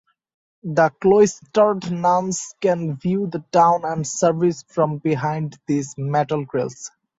The cloistered nuns can view the town and service from behind these metal grills.